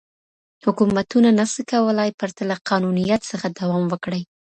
حکومتونه نسي کولای پرته له قانونيت څخه دوام وکړي.